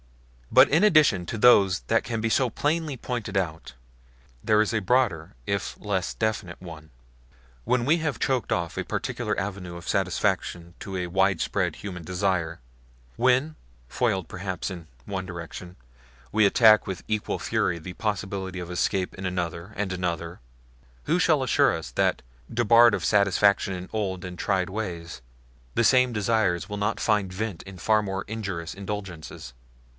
But in addition to those that can so plainly be pointed out, there is a broader if less definite one. When we have choked off a particular avenue of satisfaction to a widespread human desire; when, foiled perhaps in one direction, we attack with equal fury the possibility of escape in another and another; who shall assure us that, debarred of satisfaction in old and tried ways, the same desires will not find vent in far more injurious indulgences